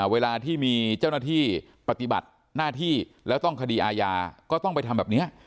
เวลาที่มีเจ้าหน้าที่ปฏิบัติหน้าที่แล้วต้องคดีอาญาก็ต้องไปทำแบบนี้